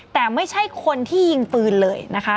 แต่ไม่ใช่คนที่ยิงปืนเลยนะคะ